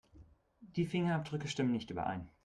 Die Fingerabdrücke stimmen nicht überein.